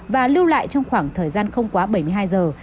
và lưu lại trong khoảng thời gian không quá bảy mươi hai giờ